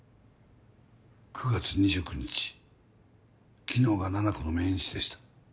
９月２９日きのうが七菜子の命日でした。